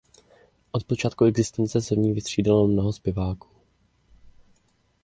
Od počátku existence se v ní vystřídalo mnoho zpěváků.